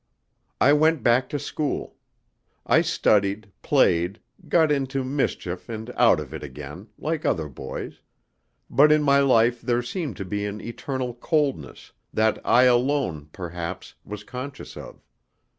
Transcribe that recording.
I went back to school. I studied, played, got into mischief and out of it again, like other boys; but in my life there seemed to be an eternal coldness, that I alone, perhaps, was conscious of.